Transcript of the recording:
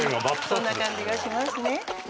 そんな感じがしますね。